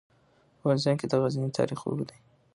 په افغانستان کې د غزني تاریخ اوږد دی.